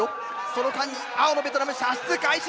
その間に青のベトナム射出開始！